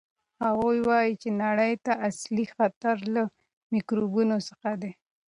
هغوی وایي چې نړۍ ته اصلي خطر له میکروبونو څخه دی.